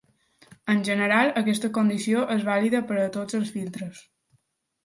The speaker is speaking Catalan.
En general, aquesta condició és vàlida per a tots els filtres.